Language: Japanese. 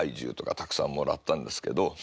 たくさんもらったんですけど。